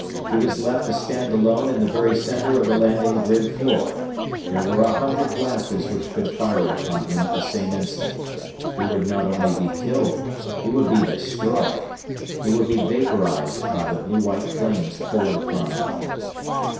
He was left to stand alone in the very center of the landing grid floor. There were a hundred blasters which would fire upon him at the same instant. He would not only be killed; he would be destroyed. He would be vaporized by the blue white flames poured upon him.